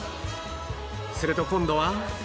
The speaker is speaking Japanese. すると今度は